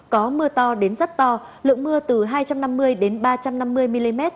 có mưa to đến rất to lượng mưa từ hai trăm năm mươi đến ba trăm năm mươi mm